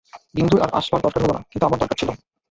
বিন্দুর আর আসবার দরকার হল না, কিন্তু আমার দরকার ছিল।